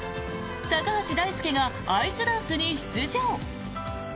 高橋大輔がアイスダンスに出場！